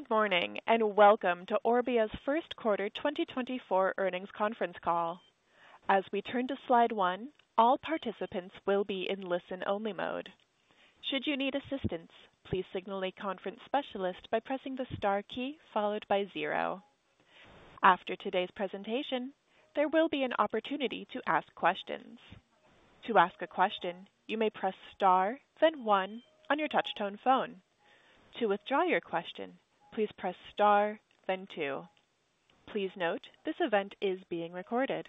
Good morning, and welcome to Orbia's first quarter 2024 earnings conference call. As we turn to slide one, all participants will be in listen-only mode. Should you need assistance, please signal a conference specialist by pressing the star key followed by zero. After today's presentation, there will be an opportunity to ask questions. To ask a question, you may press star, then one on your touchtone phone. To withdraw your question, please press star, then two. Please note, this event is being recorded.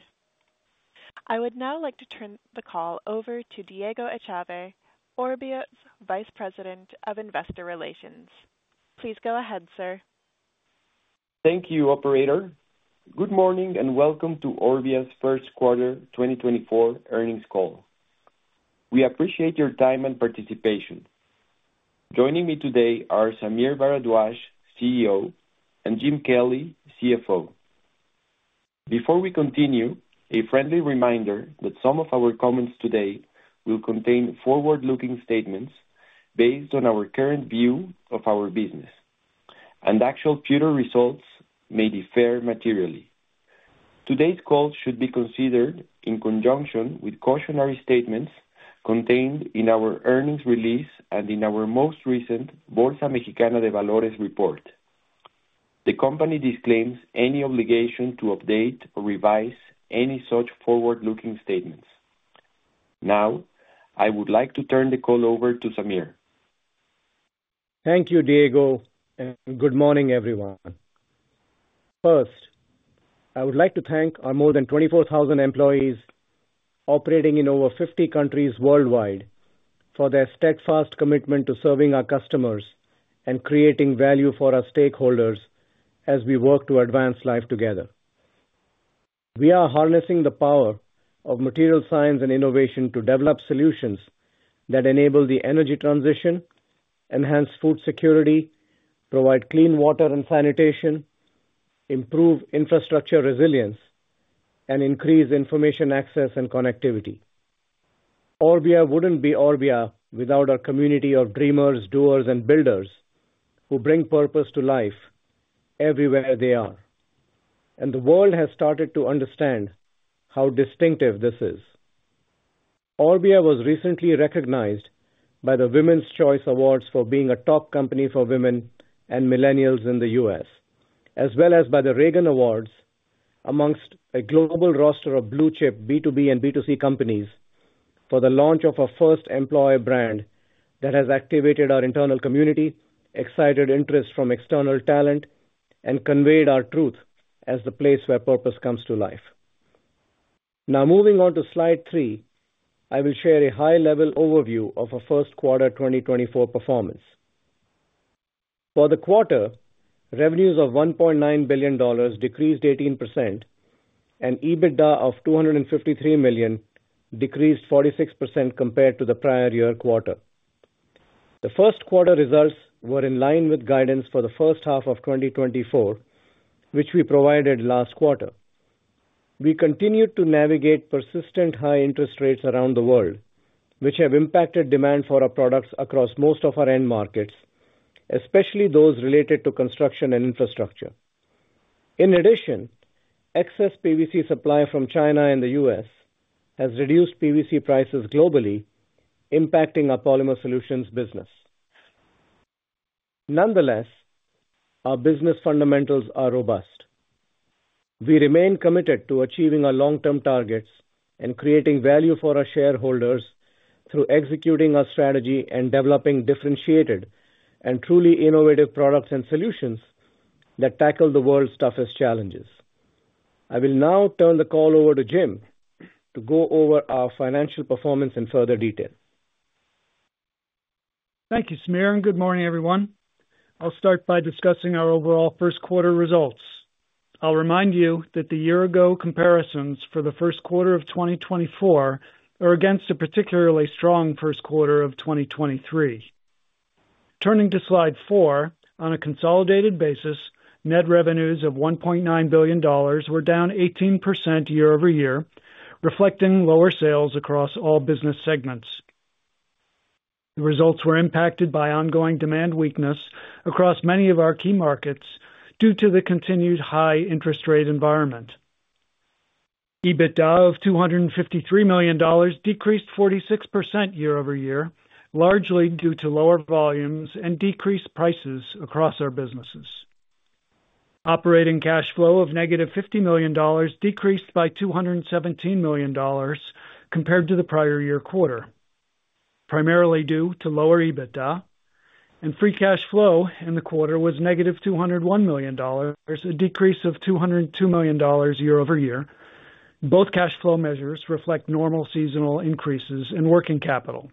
I would now like to turn the call over to Diego Echave, Orbia's Vice President of Investor Relations. Please go ahead, sir. Thank you, operator. Good morning, and welcome to Orbia's first quarter 2024 earnings call. We appreciate your time and participation. Joining me today are Sameer Bharadwaj, CEO, and Jim Kelly, CFO. Before we continue, a friendly reminder that some of our comments today will contain forward-looking statements based on our current view of our business, and actual future results may differ materially. Today's call should be considered in conjunction with cautionary statements contained in our earnings release and in our most recent Bolsa Mexicana de Valores report. The company disclaims any obligation to update or revise any such forward-looking statements. Now, I would like to turn the call over to Sameer. Thank you, Diego, and good morning, everyone. First, I would like to thank our more than 24,000 employees operating in over 50 countries worldwide for their steadfast commitment to serving our customers and creating value for our stakeholders as we work to advance life together. We are harnessing the power of material science and innovation to develop solutions that enable the energy transition, enhance food security, provide clean water and sanitation, improve infrastructure resilience, and increase information access and connectivity. Orbia wouldn't be Orbia without our community of dreamers, doers, and builders who bring purpose to life everywhere they are, and the world has started to understand how distinctive this is. Orbia was recently recognized by the Women's Choice Awards for being a top company for women and millennials in the U.S., as well as by the Ragan Awards, among a global roster of blue-chip B2B and B2C companies, for the launch of our first employer brand that has activated our internal community, excited interest from external talent, and conveyed our truth as the place where purpose comes to life. Now, moving on to slide three, I will share a high-level overview of our first quarter 2024 performance. For the quarter, revenues of $1.9 billion decreased 18%, and EBITDA of $253 million decreased 46% compared to the prior-year quarter. The first quarter results were in line with guidance for the first half of 2024, which we provided last quarter. We continued to navigate persistent high interest rates around the world, which have impacted demand for our products across most of our end markets, especially those related to construction and infrastructure. In addition, excess PVC supply from China and the U.S. has reduced PVC prices globally, impacting our Polymer Solutions business. Nonetheless, our business fundamentals are robust. We remain committed to achieving our long-term targets and creating value for our shareholders through executing our strategy and developing differentiated and truly innovative products and solutions that tackle the world's toughest challenges. I will now turn the call over to Jim to go over our financial performance in further detail. Thank you, Sameer, and good morning, everyone. I'll start by discussing our overall first quarter results. I'll remind you that the year-ago comparisons for the first quarter of 2024 are against a particularly strong first quarter of 2023. Turning to slide four. On a consolidated basis, net revenues of $1.9 billion were down 18% year-over-year, reflecting lower sales across all business segments. The results were impacted by ongoing demand weakness across many of our key markets due to the continued high-interest-rate environment. EBITDA of $253 million decreased 46% year-over-year, largely due to lower volumes and decreased prices across our businesses. Operating cash flow of $-50 million decreased by $217 million compared to the prior year quarter, primarily due to lower EBITDA, and free cash flow in the quarter was $-201 million, a decrease of $202 million year-over-year. Both cash flow measures reflect normal seasonal increases in working capital.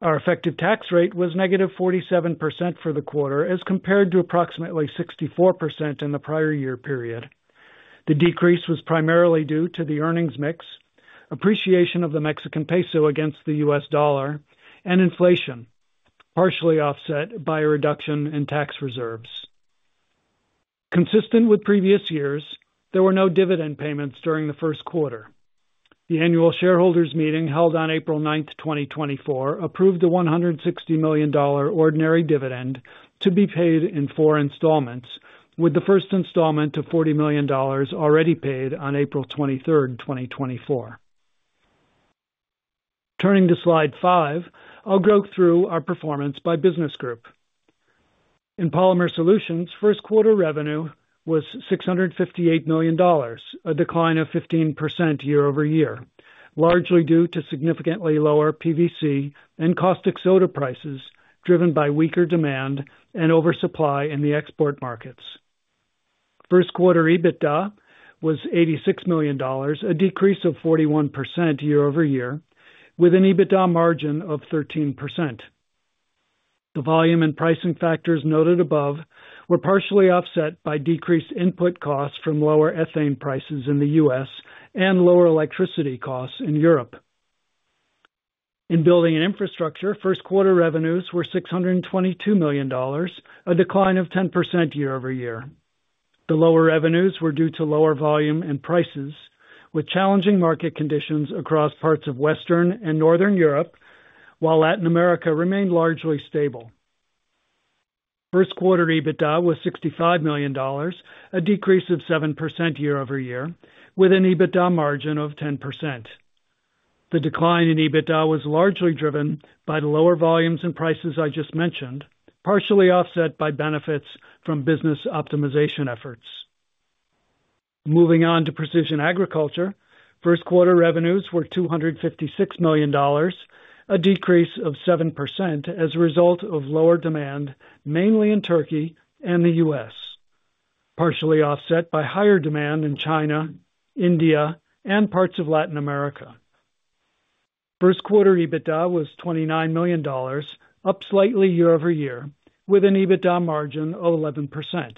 Our effective tax rate was -47% for the quarter, as compared to approximately 64% in the prior year period. The decrease was primarily due to the earnings mix, appreciation of the Mexican peso against the U.S. dollar, and inflation, partially offset by a reduction in tax reserves. Consistent with previous years, there were no dividend payments during the first quarter. The annual shareholders meeting, held on April 9, 2024, approved a $160 million ordinary dividend to be paid in four installments, with the first installment of $40 million already paid on April 23, 2024. Turning to slide five, I'll go through our performance by business group. In Polymer Solutions, first quarter revenue was $658 million, a decline of 15% year-over-year, largely due to significantly lower PVC and caustic soda prices, driven by weaker demand and oversupply in the export markets. First quarter EBITDA was $86 million, a decrease of 41% year-over-year, with an EBITDA margin of 13%. The volume and pricing factors noted above were partially offset by decreased input costs from lower ethane prices in the U.S. and lower electricity costs in Europe. In Building and Infrastructure, first quarter revenues were $622 million, a decline of 10% year-over-year. The lower revenues were due to lower volume and prices, with challenging market conditions across parts of Western and Northern Europe, while Latin America remained largely stable. First quarter EBITDA was $65 million, a decrease of 7% year-over-year, with an EBITDA margin of 10%. The decline in EBITDA was largely driven by the lower volumes and prices I just mentioned, partially offset by benefits from business optimization efforts. Moving on to Precision Agriculture, first quarter revenues were $256 million, a decrease of 7% as a result of lower demand, mainly in Turkey and the U.S., partially offset by higher demand in China, India and parts of Latin America. First quarter EBITDA was $29 million, up slightly year-over-year, with an EBITDA margin of 11%,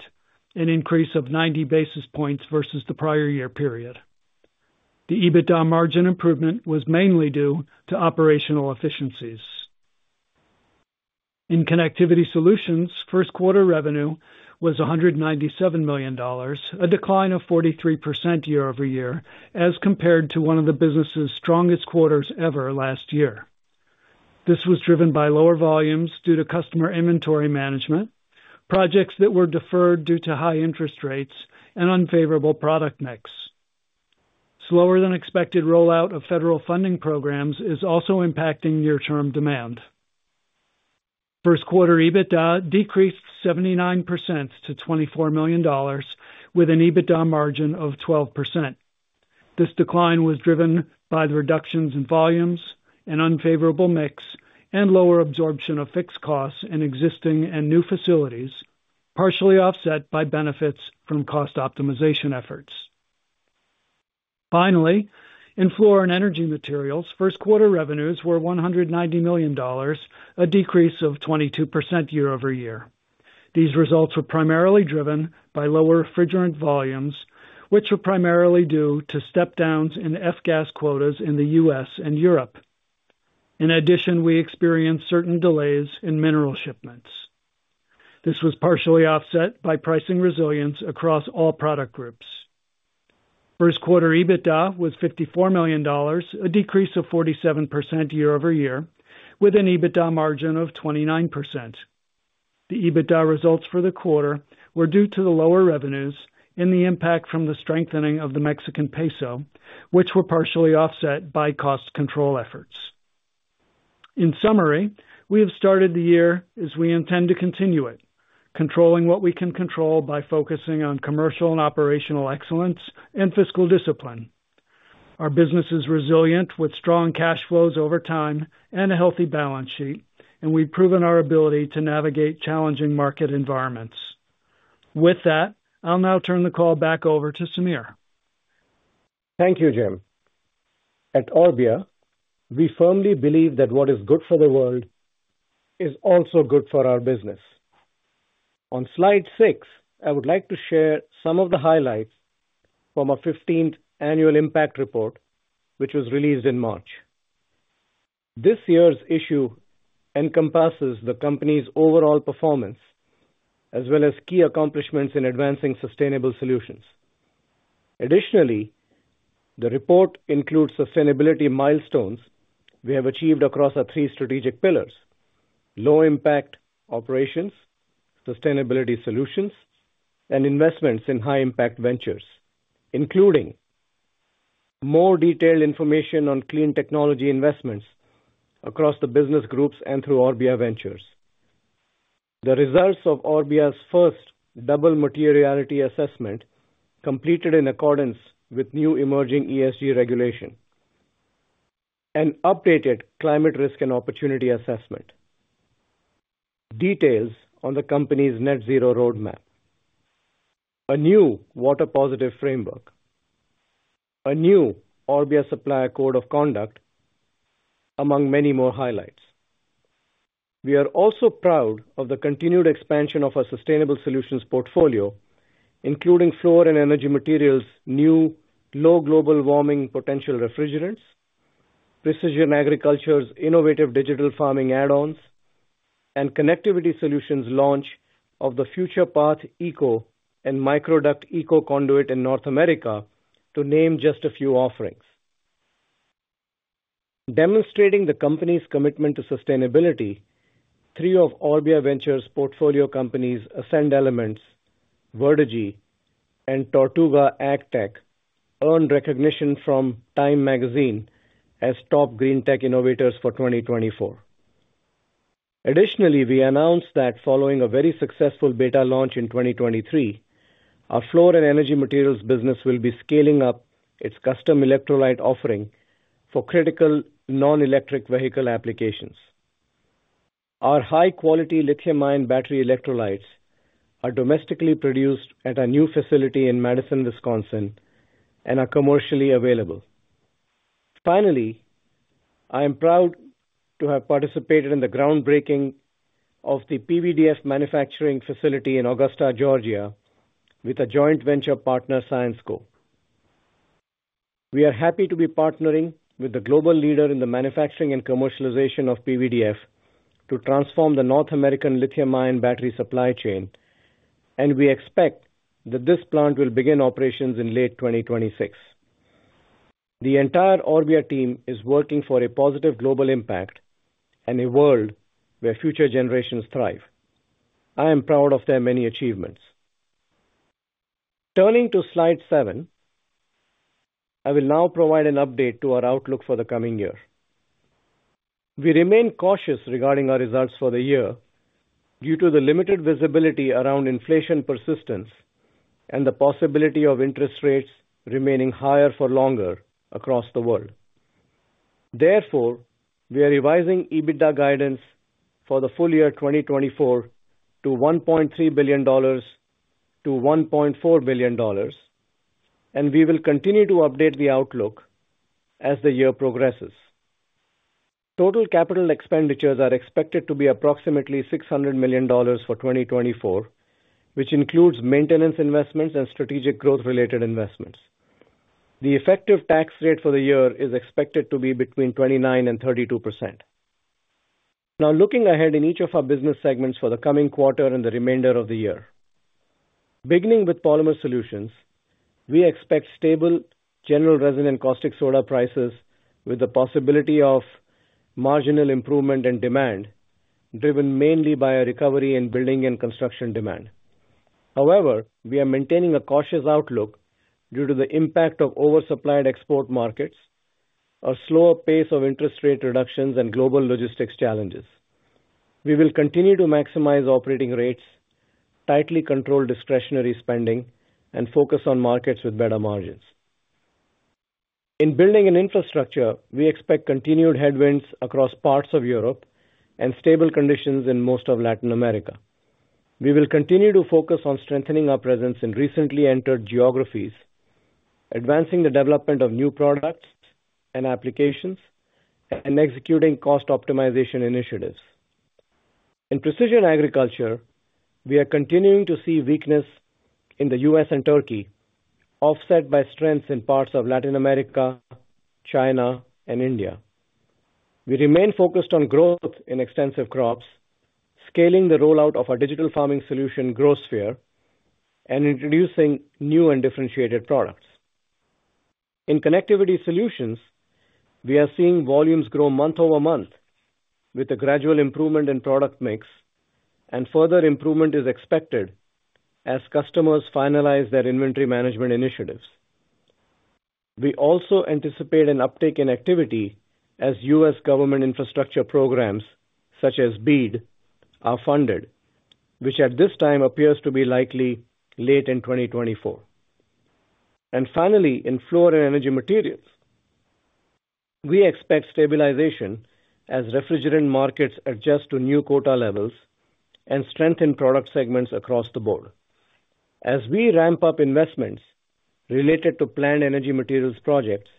an increase of 90 basis points versus the prior year period. The EBITDA margin improvement was mainly due to operational efficiencies. In Connectivity Solutions, first quarter revenue was $197 million, a decline of 43% year-over-year, as compared to one of the business's strongest quarters ever last year. This was driven by lower volumes due to customer inventory management, projects that were deferred due to high interest rates and unfavorable product mix. Slower than expected rollout of federal funding programs is also impacting near-term demand. First quarter EBITDA decreased 79% to $24 million, with an EBITDA margin of 12%. This decline was driven by the reductions in volumes and unfavorable mix, and lower absorption of fixed costs in existing and new facilities, partially offset by benefits from cost optimization efforts. Finally, in Fluor and Energy Materials, first quarter revenues were $190 million, a decrease of 22% year-over-year. These results were primarily driven by lower refrigerant volumes, which were primarily due to step-downs in F-gas quotas in the U.S. and Europe. In addition, we experienced certain delays in mineral shipments. This was partially offset by pricing resilience across all product groups. First quarter EBITDA was $54 million, a decrease of 47% year-over-year, with an EBITDA margin of 29%. The EBITDA results for the quarter were due to the lower revenues and the impact from the strengthening of the Mexican peso, which were partially offset by cost control efforts. In summary, we have started the year as we intend to continue it, controlling what we can control by focusing on commercial and operational excellence and fiscal discipline. Our business is resilient, with strong cash flows over time and a healthy balance sheet, and we've proven our ability to navigate challenging market environments. With that, I'll now turn the call back over to Sameer. Thank you, Jim. At Orbia, we firmly believe that what is good for the world is also good for our business. On slide six, I would like to share some of the highlights from our 15th Annual Impact Report, which was released in March. This year's issue encompasses the company's overall performance, as well as key accomplishments in advancing sustainable solutions. Additionally, the report includes sustainability milestones we have achieved across our three strategic pillars: low-impact operations, sustainability solutions, and investments in high-impact ventures, including more detailed information on clean technology investments across the business groups and through Orbia Ventures. The results of Orbia's first double materiality assessment, completed in accordance with new emerging ESG regulation, an updated climate risk and opportunity assessment, details on the company's net zero roadmap, a new water positive framework, a new Orbia supplier code of conduct, among many more highlights. We are also proud of the continued expansion of our sustainable solutions portfolio, including Fluor and Energy Materials, new low global warming potential refrigerants, Precision Agriculture's innovative digital farming add-ons, and Connectivity Solutions' launch of the FuturePath Eco and MicroDuct Eco Conduit in North America, to name just a few offerings. Demonstrating the company's commitment to sustainability, three of Orbia Ventures portfolio companies, Ascend Elements, Verdagy, and Tortuga AgTech, earned recognition from Time Magazine as top green tech innovators for 2024. Additionally, we announced that following a very successful beta launch in 2023, our Fluor and Energy Materials business will be scaling up its custom electrolyte offering for critical non-electric vehicle applications. Our high-quality lithium-ion battery electrolytes are domestically produced at our new facility in Madison, Wisconsin, and are commercially available. Finally, I am proud to have participated in the groundbreaking of the PVDF manufacturing facility in Augusta, Georgia, with our joint venture partner, Syensqo. We are happy to be partnering with the global leader in the manufacturing and commercialization of PVDF to transform the North American lithium-ion battery supply chain, and we expect that this plant will begin operations in late 2026. The entire Orbia team is working for a positive global impact and a world where future generations thrive. I am proud of their many achievements. Turning to slide seven, I will now provide an update to our outlook for the coming year. We remain cautious regarding our results for the year due to the limited visibility around inflation persistence and the possibility of interest rates remaining higher for longer across the world. Therefore, we are revising EBITDA guidance for the full-year 2024 to $1.3 billion-$1.4 billion, and we will continue to update the outlook as the year progresses. Total capital expenditures are expected to be approximately $600 million for 2024, which includes maintenance investments and strategic growth-related investments. The effective tax rate for the year is expected to be between 29% and 32%. Now, looking ahead in each of our business segments for the coming quarter and the remainder of the year. Beginning with Polymer Solutions, we expect stable general resin and caustic soda prices, with the possibility of marginal improvement in demand, driven mainly by a recovery in building and construction demand. However, we are maintaining a cautious outlook due to the impact of oversupplied export markets, a slower pace of interest rate reductions, and global logistics challenges. We will continue to maximize operating rates, tightly control discretionary spending, and focus on markets with better margins. In Building and Infrastructure, we expect continued headwinds across parts of Europe and stable conditions in most of Latin America. We will continue to focus on strengthening our presence in recently entered geographies, advancing the development of new products and applications, and executing cost optimization initiatives. In Precision Agriculture, we are continuing to see weakness in the U.S. and Turkey, offset by strengths in parts of Latin America, China, and India. We remain focused on growth in extensive crops, scaling the rollout of our digital farming solution, GrowSphere, and introducing new and differentiated products. In Connectivity Solutions, we are seeing volumes grow month-over-month with a gradual improvement in product mix, and further improvement is expected as customers finalize their inventory management initiatives. We also anticipate an uptick in activity as U.S. government infrastructure programs, such as BEAD, are funded, which at this time appears to be likely late in 2024. And finally, in Fluor and Energy Materials, we expect stabilization as refrigerant markets adjust to new quota levels and strengthen product segments across the board. As we ramp up investments related to planned energy materials projects,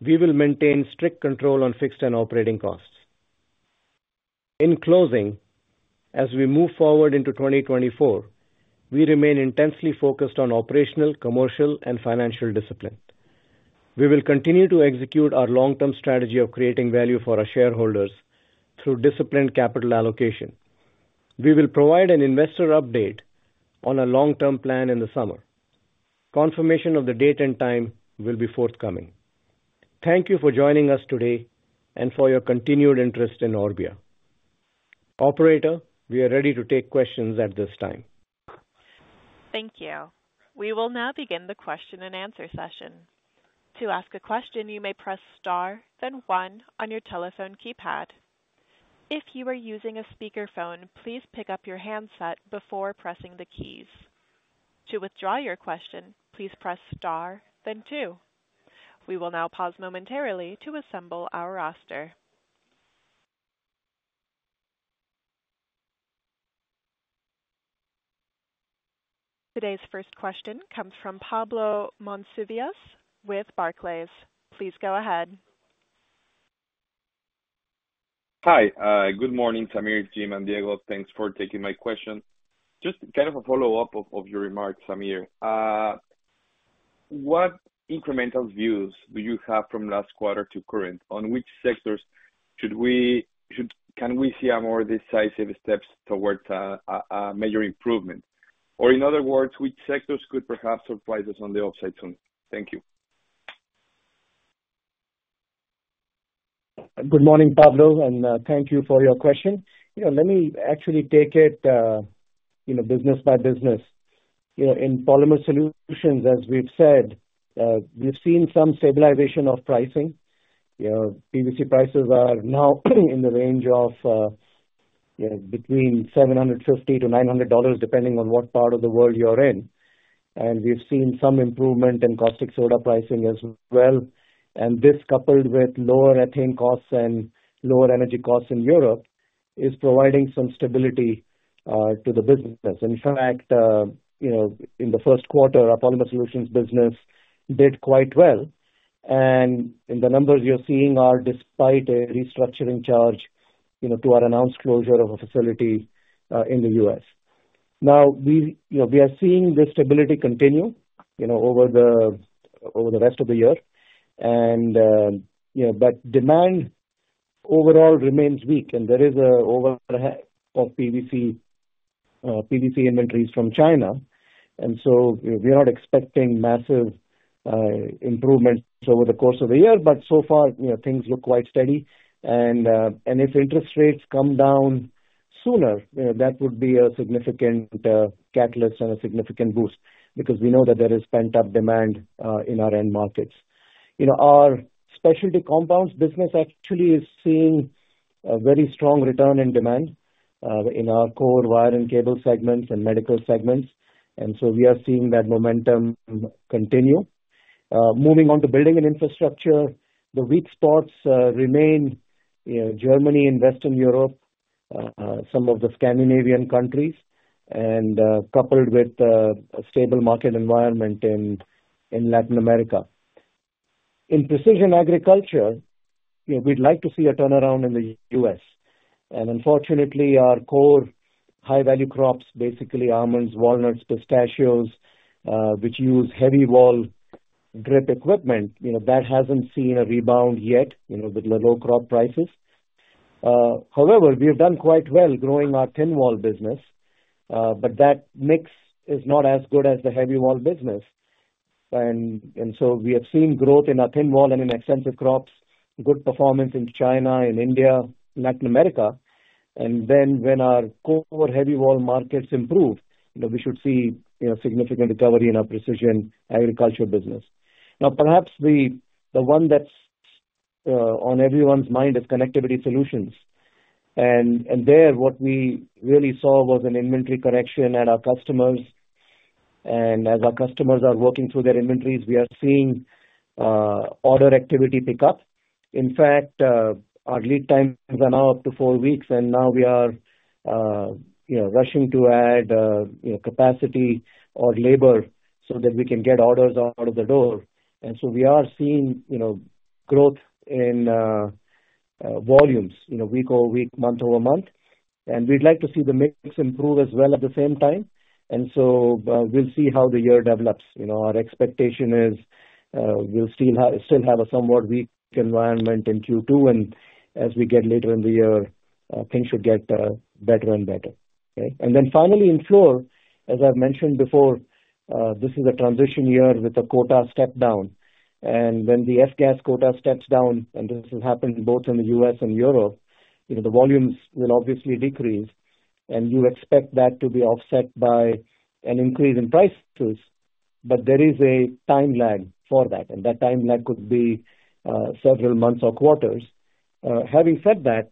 we will maintain strict control on fixed and operating costs. In closing, as we move forward into 2024, we remain intensely focused on operational, commercial, and financial discipline. We will continue to execute our long-term strategy of creating value for our shareholders through disciplined capital allocation. We will provide an investor update on our long-term plan in the summer. Confirmation of the date and time will be forthcoming. Thank you for joining us today and for your continued interest in Orbia. Operator, we are ready to take questions at this time. Thank you. We will now begin the question-and-answer session. To ask a question, you may press star, then one on your telephone keypad. If you are using a speakerphone, please pick up your handset before pressing the keys. To withdraw your question, please press star, then two. We will now pause momentarily to assemble our roster. Today's first question comes from Pablo Monsivais with Barclays. Please go ahead. Hi, good morning, Sameer, Jim, and Diego. Thanks for taking my question. Just kind of a follow-up of your remarks, Sameer. What incremental views do you have from last quarter to current? On which sectors should we... can we see a more decisive steps towards a major improvement? Or in other words, which sectors could perhaps surprise us on the upside soon? Thank you. Good morning, Pablo, and thank you for your question. You know, let me actually take it, you know, business by business. You know, in Polymer Solutions, as we've said, we've seen some stabilization of pricing. You know, PVC prices are now in the range of, you know, between $750-$900, depending on what part of the world you're in. And we've seen some improvement in caustic soda pricing as well. And this, coupled with lower ethane costs and lower energy costs in Europe, is providing some stability to the business. In fact, you know, in the first quarter, our Polymer Solutions business did quite well, and the numbers you're seeing are despite a restructuring charge, you know, to our announced closure of a facility in the U.S. Now, you know, we are seeing this stability continue, you know, over the rest of the year. And you know, but demand overall remains weak and there is an overhang of PVC inventories from China. And so we are not expecting massive improvements over the course of the year, but so far, you know, things look quite steady. And if interest rates come down sooner, you know, that would be a significant catalyst and a significant boost because we know that there is pent-up demand in our end markets. You know, our Specialty Compounds business actually is seeing a very strong return in demand in our core wire and cable segments and medical segments, and so we are seeing that momentum continue. Moving on to Building and Infrastructure, the weak spots remain, you know, Germany and Western Europe, some of the Scandinavian countries and, coupled with, a stable market environment in Latin America. In Precision Agriculture, you know, we'd like to see a turnaround in the U.S. And unfortunately, our core high-value crops, basically almonds, walnuts, pistachios, which use heavy wall drip equipment, you know, that hasn't seen a rebound yet, you know, with the low crop prices. However, we have done quite well growing our thin-wall business, but that mix is not as good as the heavy-wall business. And so we have seen growth in our thin wall and in extensive crops, good performance in China and India, Latin America. And then when our core heavy wall markets improve, you know, we should see, you know, significant recovery in our Precision Agriculture business. Now, perhaps the one that's on everyone's mind is Connectivity Solutions. And there, what we really saw was an inventory correction at our customers. And as our customers are working through their inventories, we are seeing order activity pick up. In fact, our lead times are now up to four weeks, and now we are, you know, rushing to add, you know, capacity or labor so that we can get orders out of the door. And so we are seeing, you know, growth in volumes, you know, week over week, month over month. And we'd like to see the mix improve as well at the same time. And so, we'll see how the year develops. You know, our expectation is, we'll still have, still have a somewhat weak environment in Q2, and as we get later in the year, things should get, better and better. Okay? And then finally, in Fluor, as I've mentioned before, this is a transition year with the quota step down. And when the F-gas quota steps down, and this will happen both in the U.S. and Europe, you know, the volumes will obviously decrease, and you expect that to be offset by an increase in prices. But there is a time lag for that, and that time lag could be, several months or quarters. Having said that,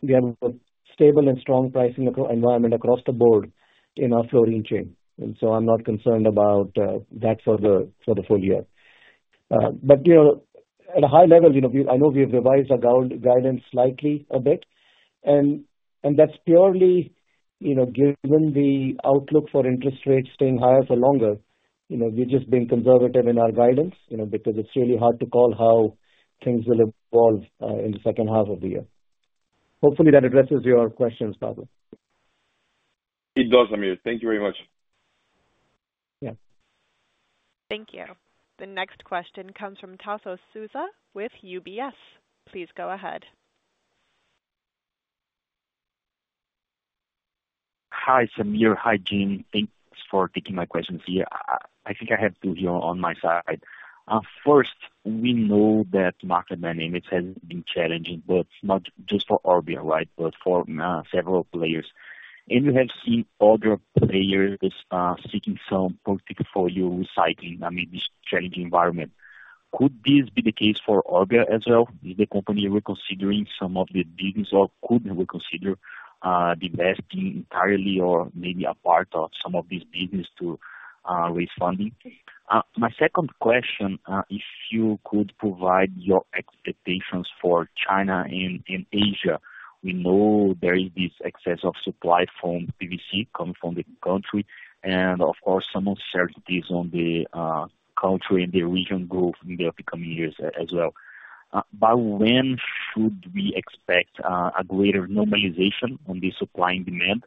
we have a stable and strong pricing environment across the board in our flooring chain, and so I'm not concerned about, that for the, for the full year. But, you know, at a high level, you know, we... I know we've revised our guidance slightly a bit, and that's purely, you know, given the outlook for interest rates staying higher for longer. You know, we're just being conservative in our guidance, you know, because it's really hard to call how things will evolve in the second half of the year. Hopefully, that addresses your questions, Pablo. It does, Sameer. Thank you very much. Yeah. Thank you. The next question comes from Tasso Vasconcellos with UBS. Please go ahead. Hi, Sameer. Hi, Jim. Thanks for taking my questions here. I think I have two here on my side. First, we know that market dynamics has been challenging, but not just for Orbia, right, but for several players. And we have seen other players seeking some portfolio recycling amid this challenging environment. Could this be the case for Orbia as well? Is the company reconsidering some of the business or could reconsider divesting entirely or maybe a part of some of this business to raise funding? My second question, if you could provide your expectations for China and Asia. We know there is this excess of supply from PVC coming from the country, and of course, some uncertainties on the country and the region growth in the upcoming years as well. By when should we expect a greater normalization on the supply and demand,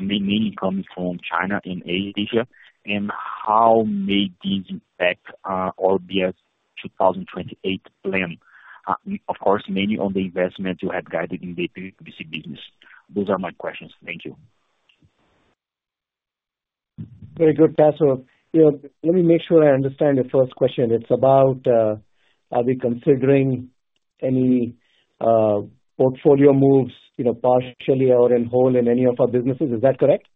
mainly coming from China and Asia, and how may this impact Orbia's 2028 plan? Of course, mainly on the investment you had guided in the PVC business. Those are my questions. Thank you. Very good, Tasso. You know, let me make sure I understand the first question. It's about, are we considering any, portfolio moves, you know, partially or in whole in any of our businesses? Is that correct?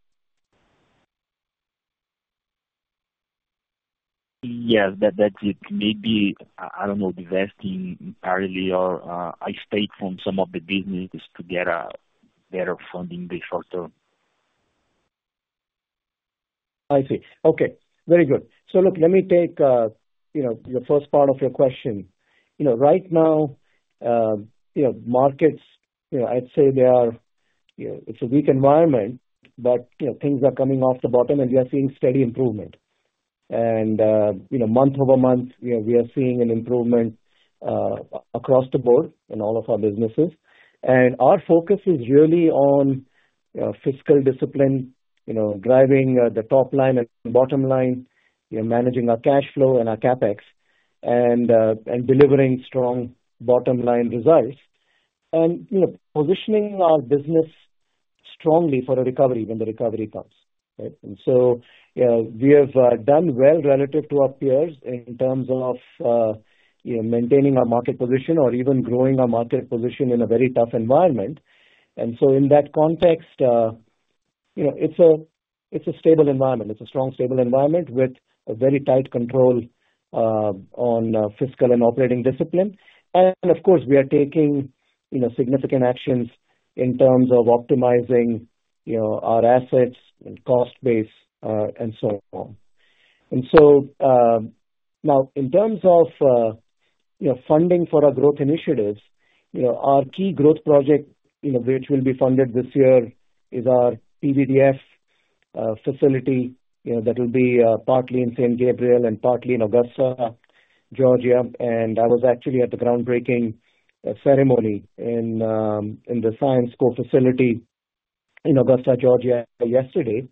Yes, that, that's it. Maybe, I don't know, divesting entirely or escape from some of the businesses to get a better funding in the short term. I see. Okay, very good. So look, let me take, you know, your first part of your question. You know, right now, you know, markets, you know, I'd say they are, you know, it's a weak environment, but, you know, things are coming off the bottom, and we are seeing steady improvement. And, you know, month-over-month, you know, we are seeing an improvement, across the board in all of our businesses. And our focus is really on, fiscal discipline, you know, driving, the top-line and bottom-line. We are managing our cash flow and our CapEx and, and delivering strong bottom-line results. And, you know, positioning our business strongly for a recovery when the recovery comes, right? And so, we have done well relative to our peers in terms of, you know, maintaining our market position or even growing our market position in a very tough environment. And so in that context, you know, it's a stable environment. It's a strong, stable environment with a very tight control on fiscal and operating discipline. And of course, we are taking, you know, significant actions in terms of optimizing, you know, our assets and cost base, and so on. And so, now, in terms of, you know, funding for our growth initiatives, you know, our key growth project, you know, which will be funded this year, is our PVDF facility, you know, that will be partly in St. Gabriel and partly in Augusta, Georgia. I was actually at the groundbreaking ceremony in the Koura facility in Augusta, Georgia, yesterday.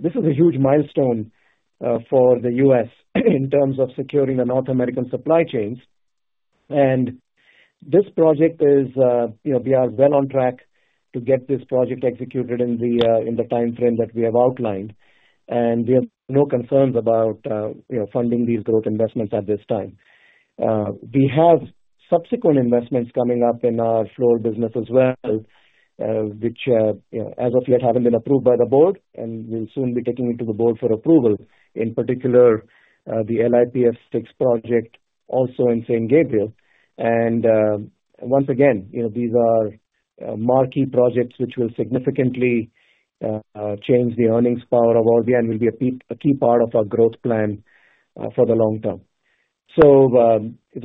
This is a huge milestone for the U.S. in terms of securing the North American supply chains. This project is, you know, we are well on track to get this project executed in the timeframe that we have outlined, and we have no concerns about, you know, funding these growth investments at this time. We have subsequent investments coming up in our Fluor business as well, which, you know, as of yet, haven't been approved by the board, and we'll soon be taking it to the board for approval, in particular, the LiPF6 project also in St. Gabriel. Once again, you know, these are marquee projects which will significantly change the earnings power of Orbia and will be a key, a key part of our growth plan for the long term. So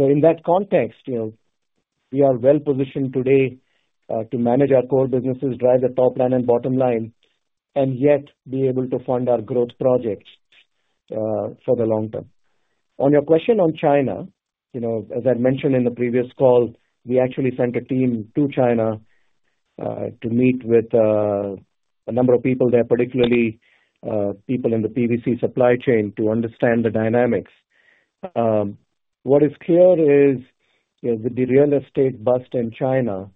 in that context, you know, we are well-positioned today to manage our core businesses, drive the top-line and bottom-line, and yet be able to fund our growth projects for the long term. On your question on China, you know, as I mentioned in the previous call, we actually sent a team to China to meet with a number of people there, particularly people in the PVC supply chain, to understand the dynamics. What is clear is, you know, with the real estate bust in China,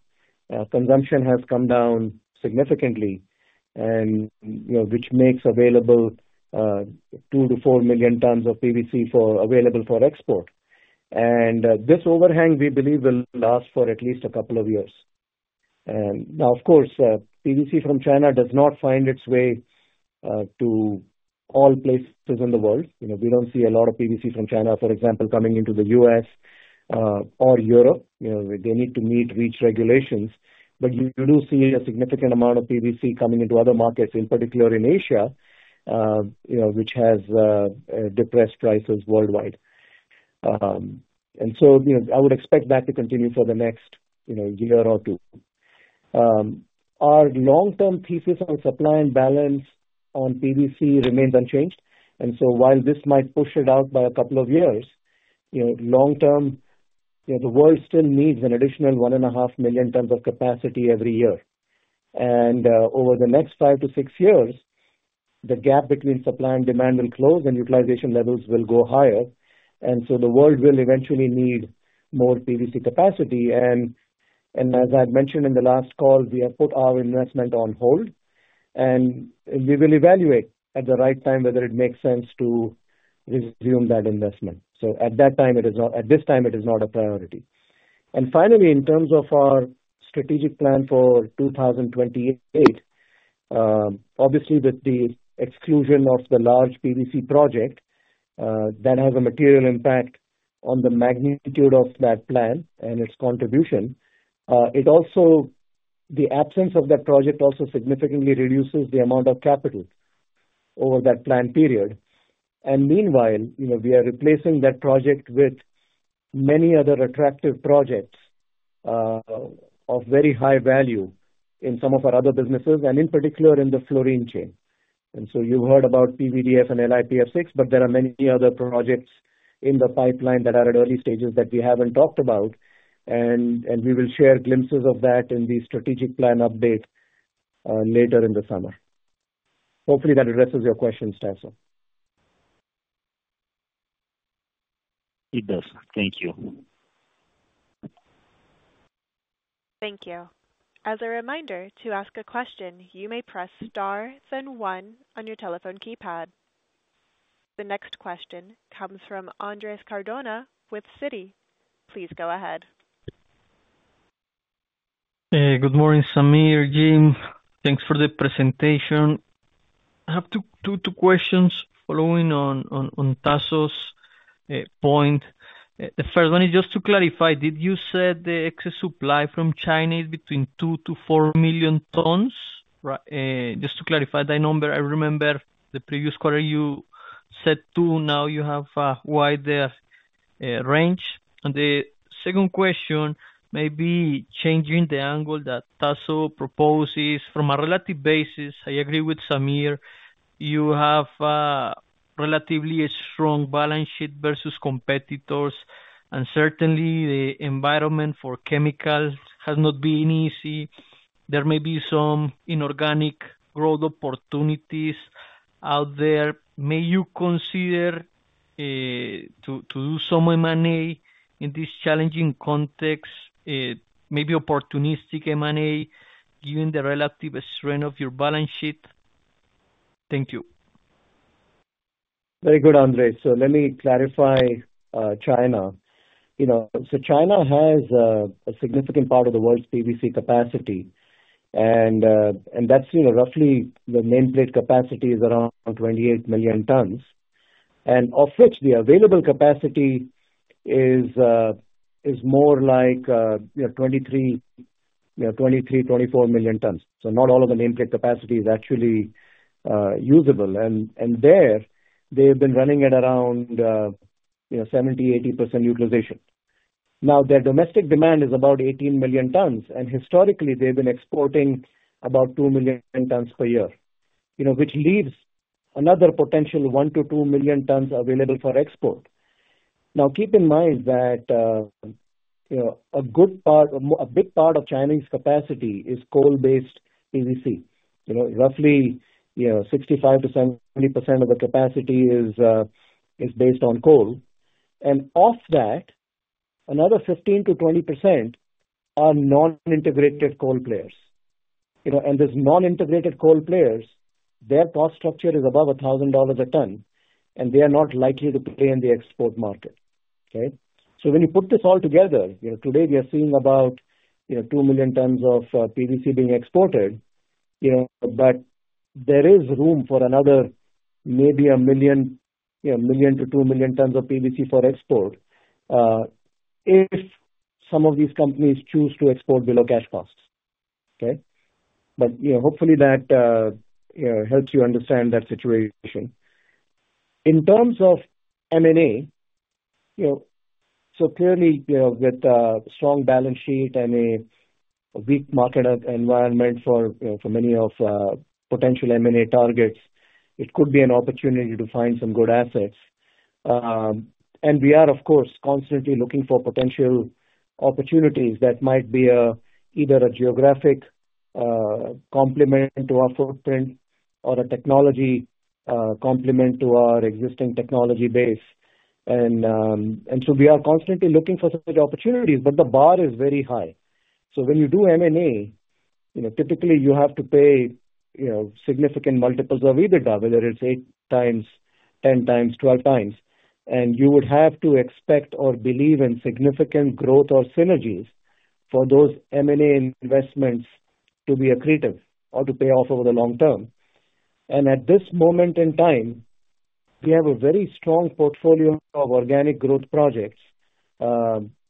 consumption has come down significantly and, you know, which makes available 2 million-4 million tons of PVC available for export. This overhang, we believe, will last for at least a couple of years. Now, of course, PVC from China does not find its way to all places in the world. You know, we don't see a lot of PVC from China, for example, coming into the U.S. or Europe. You know, they need to meet REACH regulations, but you do see a significant amount of PVC coming into other markets, in particular in Asia, you know, which has depressed prices worldwide. And so, you know, I would expect that to continue for the next, you know, year or two. Our long-term thesis on supply and balance on PVC remains unchanged, and so while this might push it out by a couple of years, you know, long term, you know, the world still needs an additional 1.5 million tons of capacity every year. And, over the next five-six years, the gap between supply and demand will close and utilization levels will go higher, and so the world will eventually need more PVC capacity. And as I mentioned in the last call, we have put our investment on hold, and we will evaluate at the right time whether it makes sense to resume that investment. So at that time, it is not... At this time, it is not a priority. And finally, in terms of our strategic plan for 2028, obviously, with the exclusion of the large PVC project, that has a material impact on the magnitude of that plan and its contribution. It also, the absence of that project also significantly reduces the amount of capital over that plan period. And meanwhile, you know, we are replacing that project with many other attractive projects of very high value in some of our other businesses and in particular in the fluorine chain. And so you heard about PVDF and LiPF6, but there are many other projects in the pipeline that are at early stages that we haven't talked about, and we will share glimpses of that in the strategic plan update later in the summer. Hopefully, that addresses your question, Tasso. It does. Thank you. Thank you. As a reminder, to ask a question, you may press Star, then one on your telephone keypad. The next question comes from Andres Cardona with Citi. Please go ahead. Hey, good morning, Sameer, Jim. Thanks for the presentation. I have two questions following on Tasso's point. The first one is just to clarify, did you say the excess supply from China is between 2 million-4 million tons? Just to clarify that number, I remember the previous quarter you said two, now you have a wider range. And the second question may be changing the angle that Tasso proposes. From a relative basis, I agree with Sameer, you have a relatively strong balance sheet versus competitors, and certainly the environment for chemicals has not been easy. There may be some inorganic growth opportunities out there. May you consider to do some M&A in this challenging context, maybe opportunistic M&A, given the relative strength of your balance sheet? Thank you. Very good, Andre. So let me clarify, China. You know, so China has a significant part of the world's PVC capacity, and, and that's, you know, roughly the nameplate capacity is around 28 million tons, and of which the available capacity is, is more like, you know, 23, yeah, 23 million-24 million tons. So not all of the nameplate capacity is actually, usable. And, and there, they've been running at around, you know, 70%-80% utilization. Now, their domestic demand is about 18 million tons, and historically they've been exporting about 2 million tons per year, you know, which leaves another potential 1 million-2 million tons available for export. Now, keep in mind that, you know, a good part, a big part of Chinese capacity is coal-based PVC. You know, roughly, you know, 65%, 20% of the capacity is based on coal. And of that, another 15%-20% are non-integrated coal players. You know, and these non-integrated coal players, their cost structure is above $1,000 a ton, and they are not likely to play in the export market, okay? So when you put this all together, you know, today we are seeing about, you know, 2 million tons of PVC being exported, you know, but there is room for another, maybe 1 million, you know, 1 million-2 million tons of PVC for export, if some of these companies choose to export below cash costs, okay? But, you know, hopefully that helps you understand that situation. In terms of M&A, you know, so clearly, you know, with a strong balance sheet and a weak market environment for, you know, for many of potential M&A targets, it could be an opportunity to find some good assets. And we are, of course, constantly looking for potential opportunities that might be either a geographic complement to our footprint or a technology complement to our existing technology base. And so we are constantly looking for such opportunities, but the bar is very high. So when you do M&A, you know, typically you have to pay, you know, significant multiples of EBITDA, whether it's 8x, 10x, 12x, and you would have to expect or believe in significant growth or synergies for those M&A investments to be accretive or to pay off over the long-term. At this moment in time, we have a very strong portfolio of organic growth projects,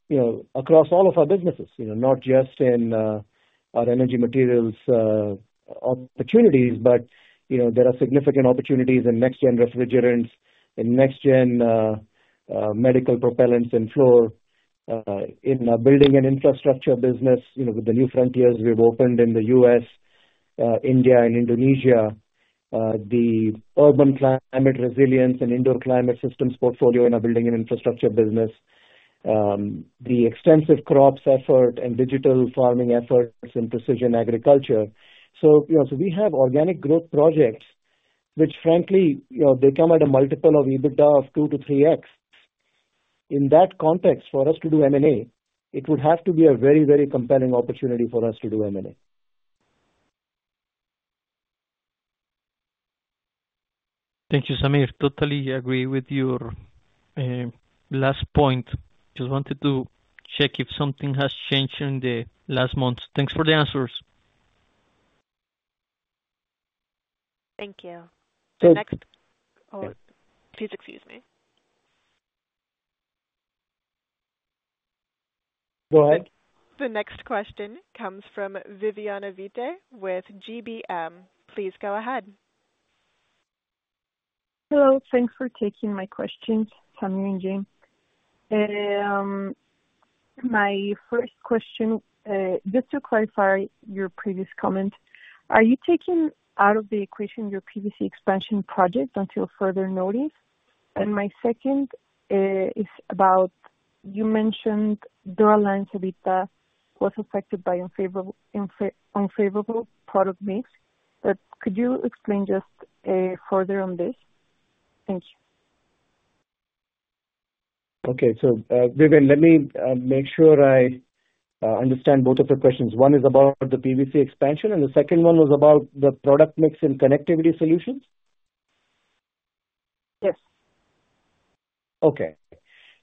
you know, across all of our businesses, you know, not just in our energy materials opportunities, but, you know, there are significant opportunities in next-gen refrigerants, in next-gen medical propellants and fluor, in our Building and Infrastructure business, you know, with the new frontiers we've opened in the U.S., India and Indonesia, the urban climate resilience and indoor climate systems portfolio in our Building and Infrastructure business, the extensive crops effort and digital farming efforts in Precision Agriculture. So, you know, we have organic growth projects, which frankly, you know, they come at a multiple of EBITDA of 2x-3x. In that context, for us to do M&A, it would have to be a very, very compelling opportunity for us to do M&A. Thank you, Sameer. Totally agree with your last point. Just wanted to check if something has changed in the last months. Thanks for the answers. Thank you. So- Next... Oh, please excuse me. ...Go ahead. The next question comes from Viviana Vite with GBM. Please go ahead. Hello. Thanks for taking my questions, Sameer and Jim. My first question, just to clarify your previous comment, are you taking out of the equation your PVC expansion project until further notice? And my second is about you mentioned Dura-Line's EBITDA was affected by unfavorable product mix. But could you explain just further on this? Thank you. Okay. So, Viviana, let me make sure I understand both of your questions. One is about the PVC expansion, and the second one was about the product mix in Connectivity Solutions? Yes. Okay.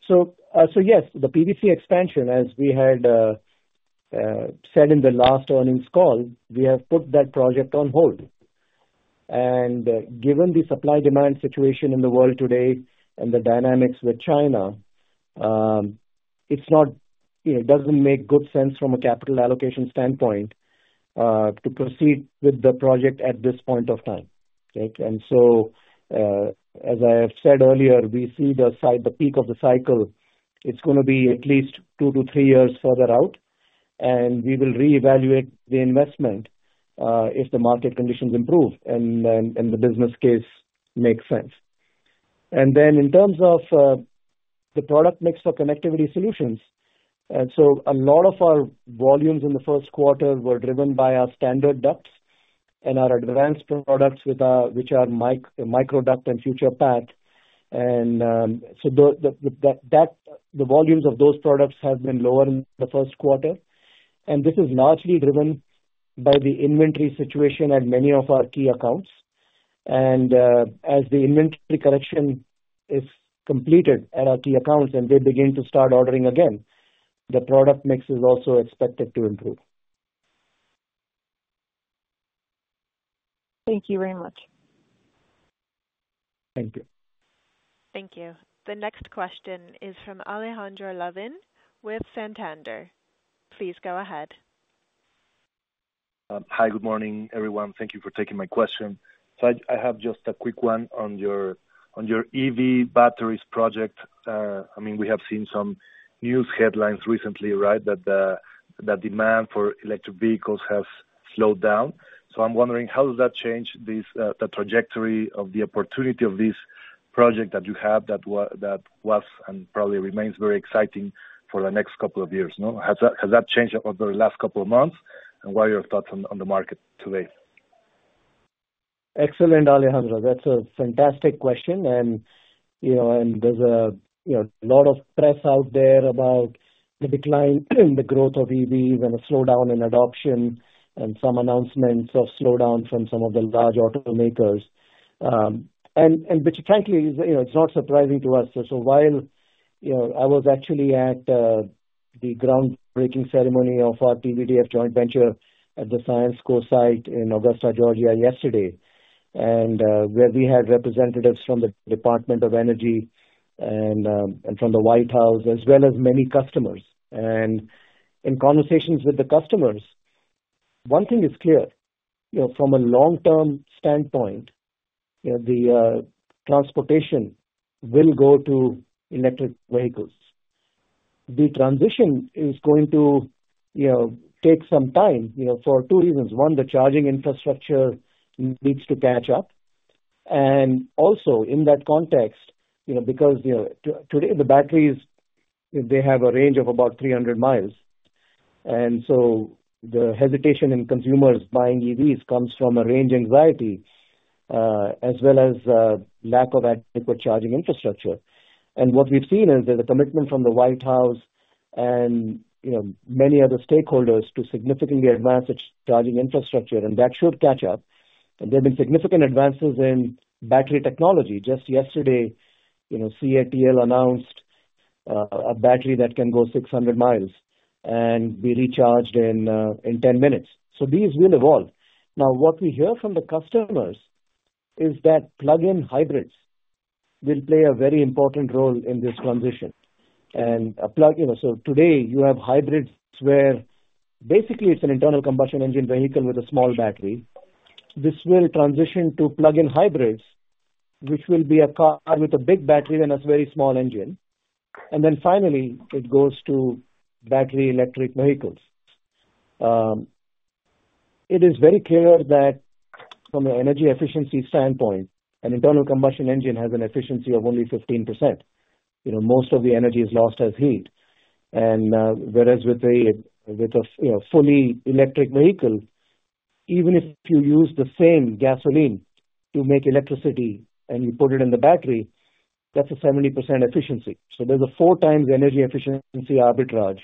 So yes, the PVC expansion, as we had said in the last earnings call, we have put that project on hold. And given the supply-demand situation in the world today and the dynamics with China, it's not, you know, doesn't make good sense from a capital allocation standpoint to proceed with the project at this point of time. Okay? And so, as I have said earlier, we see the cycle, the peak of the cycle, it's gonna be at least two-three years further out, and we will reevaluate the investment if the market conditions improve and the business case makes sense. And then in terms of the product mix for Connectivity Solutions, and so a lot of our volumes in the first quarter were driven by our standard ducts and our advanced products with which are MicroDuct and FuturePath. And so the volumes of those products have been lower in the first quarter, and this is largely driven by the inventory situation at many of our key accounts. And as the inventory correction is completed at our key accounts and they begin to start ordering again, the product mix is also expected to improve. Thank you very much. Thank you. Thank you. The next question is from Alejandro Lavin with Santander. Please go ahead. Hi. Good morning, everyone. Thank you for taking my question. So I have just a quick one on your EV batteries project. I mean, we have seen some news headlines recently, right? That the demand for electric vehicles has slowed down. So I'm wondering: how does that change this, the trajectory of the opportunity of this project that you have, that was and probably remains very exciting for the next couple of years, no? Has that changed over the last couple of months, and what are your thoughts on the market today? Excellent, Alejandro. That's a fantastic question. And, you know, there's a lot of press out there about the decline in the growth of EVs and a slowdown in adoption and some announcements of slowdown from some of the large automakers. And which, frankly, is, you know, it's not surprising to us. So while, you know, I was actually at the groundbreaking ceremony of our PVDF joint venture at the Syensqo site in Augusta, Georgia, yesterday, and where we had representatives from the Department of Energy and from the White House, as well as many customers. And in conversations with the customers, one thing is clear, you know, from a long-term standpoint, you know, the transportation will go to electric vehicles. The transition is going to, you know, take some time, you know, for two reasons: One, the charging infrastructure needs to catch up. Also, in that context, you know, because, you know, today, the batteries, they have a range of about 300 mi, and so the hesitation in consumers buying EVs comes from a range anxiety, as well as, lack of adequate charging infrastructure. What we've seen is that the commitment from the White House and, you know, many other stakeholders to significantly advance its charging infrastructure, and that should catch up. There have been significant advances in battery technology. Just yesterday, you know, CATL announced, a battery that can go 600 mi and be recharged in, in 10 minutes. So these will evolve. Now, what we hear from the customers is that plug-in hybrids will play a very important role in this transition. And a plug, you know... So today, you have hybrids, where basically it's an internal combustion engine vehicle with a small battery. This will transition to plug-in hybrids, which will be a car with a big battery and a very small engine. And then finally, it goes to battery electric vehicles. It is very clear that from an energy efficiency standpoint, an internal combustion engine has an efficiency of only 15%. You know, most of the energy is lost as heat. And, whereas with a, with a, you know, fully electric vehicle, even if you use the same gasoline to make electricity and you put it in the battery, that's a 70% efficiency. So there's a four times energy efficiency arbitrage.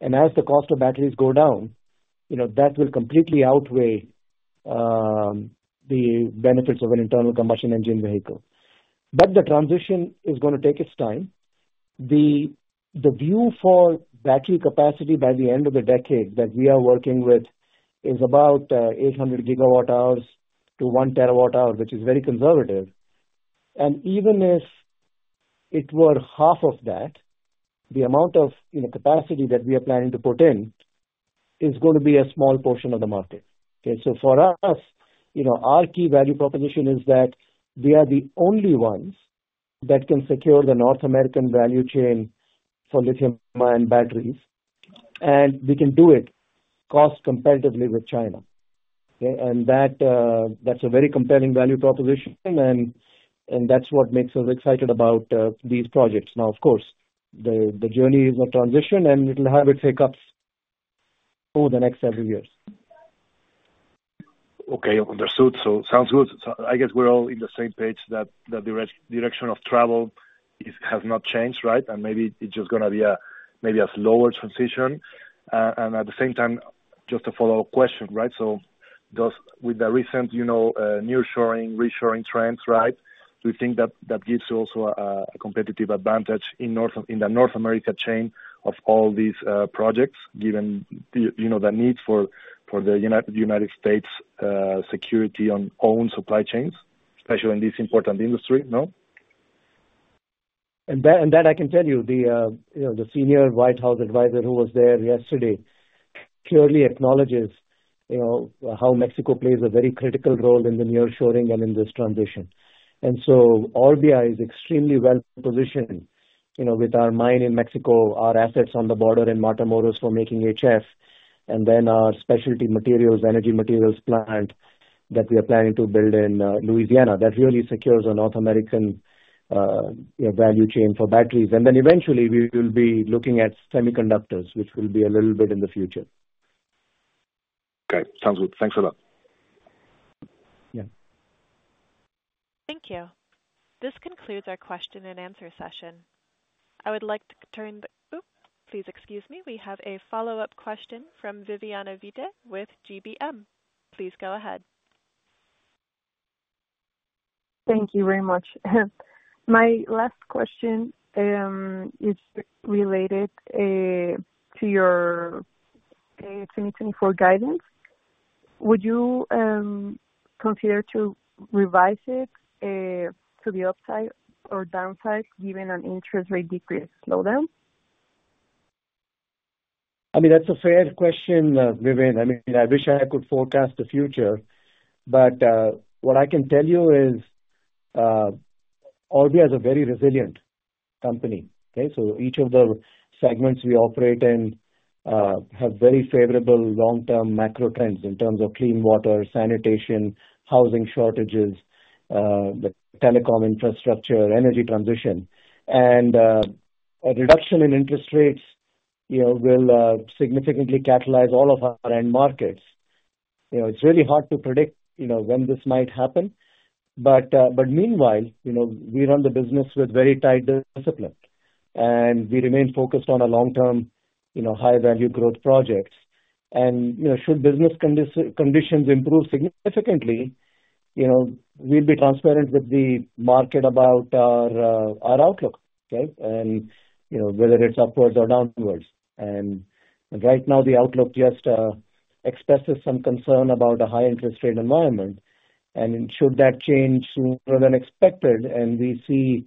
And as the cost of batteries go down, you know, that will completely outweigh the benefits of an internal combustion engine vehicle. But the transition is gonna take its time. The view for battery capacity by the end of the decade that we are working with is about 800 GWh-1 TWh, which is very conservative. And even if it were half of that, the amount of, you know, capacity that we are planning to put in is going to be a small portion of the market. Okay? So for us, you know, our key value proposition is that we are the only ones that can secure the North American value chain for lithium-ion batteries, and we can do it cost-competitively with China. Okay? That’s a very compelling value proposition, and that’s what makes us excited about these projects. Now, of course, the journey is a transition, and it’ll have its hiccups over the next several years. Okay, understood. So sounds good. So I guess we're all in the same page that the direction of travel is, has not changed, right? And maybe it's just gonna be a maybe a slower transition. And at the same time, just a follow-up question, right? So does with the recent, you know, nearshoring, reshoring trends, right, do you think that that gives you also a competitive advantage in North, in the North America chain of all these projects, given the, you know, the need for the United States security on own supply chains, especially in this important industry, no? And that, and that I can tell you, the, you know, the senior White House advisor who was there yesterday clearly acknowledges, you know, how Mexico plays a very critical role in the nearshoring and in this transition. And so Orbia is extremely well positioned, you know, with our mine in Mexico, our assets on the border in Matamoros for making HF, and then our specialty materials, energy materials plant that we are planning to build in, Louisiana. That really secures a North American, you know, value chain for batteries. And then eventually we will be looking at semiconductors, which will be a little bit in the future. Okay, sounds good. Thanks a lot. Yeah. Thank you. This concludes our question and answer session. I would like to turn the... Oops, please excuse me. We have a follow-up question from Viviana Vite with GBM. Please go ahead. Thank you very much. My last question is related to your 2024 guidance. Would you consider to revise it to the upside or downside given an interest rate decrease slowdown? I mean, that's a fair question, Viviana. I mean, I wish I could forecast the future, but what I can tell you is, Orbia is a very resilient company, okay? So each of the segments we operate in have very favorable long-term macro trends in terms of clean water, sanitation, housing shortages, the telecom infrastructure, energy transition. And a reduction in interest rates, you know, will significantly catalyze all of our end markets. You know, it's really hard to predict, you know, when this might happen, but meanwhile, you know, we run the business with very tight discipline, and we remain focused on a long-term, you know, high-value growth projects. And, you know, should business conditions improve significantly, you know, we'll be transparent with the market about our outlook, okay? And, you know, whether it's upwards or downwards. Right now, the outlook just expresses some concern about a high interest rate environment, and should that change sooner than expected and we see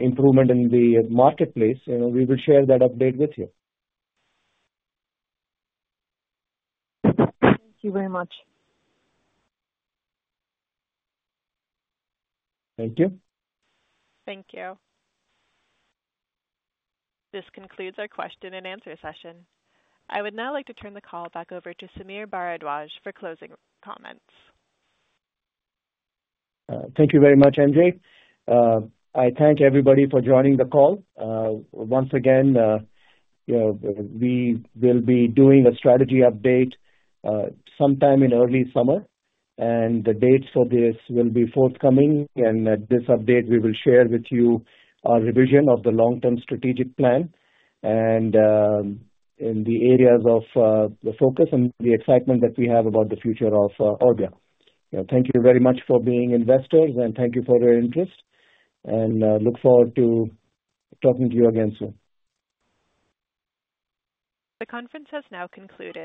improvement in the marketplace, you know, we will share that update with you. Thank you very much. Thank you. Thank you. This concludes our question-and-answer session. I would now like to turn the call back over to Sameer Bharadwaj for closing comments. Thank you very much, MJ. I thank everybody for joining the call. Once again, you know, we will be doing a strategy update sometime in early summer, and the dates for this will be forthcoming. And at this update, we will share with you our revision of the long-term strategic plan and in the areas of the focus and the excitement that we have about the future of Orbia. Thank you very much for being investors, and thank you for your interest, and look forward to talking to you again soon. The conference has now concluded.